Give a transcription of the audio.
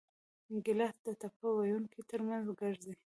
ګیلاس د ټپه ویونکو ترمنځ ګرځي.